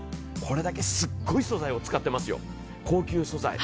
これだけすっごい素材を使っていますよ、高級素材。